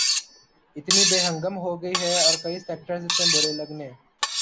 اتنی بے ہنگم ہو گئی ہے اور کئی سیکٹرز اتنے برے لگنے